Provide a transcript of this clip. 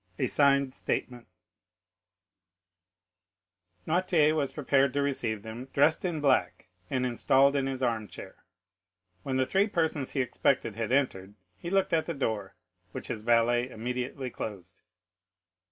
A Signed Statement Noirtier was prepared to receive them, dressed in black, and installed in his armchair. When the three persons he expected had entered, he looked at the door, which his valet immediately closed.